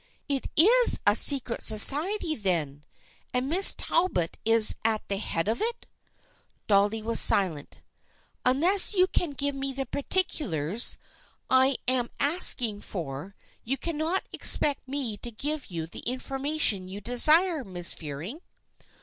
" It is a secret society, then, and Miss Talbot is at the head of it?" Dolly was silent. " Unless you can give me the particulars I am 268 THE FRIENDSHIP OF ANNE asking for, you cannot expect me to give you the information you desire, Miss Fearing."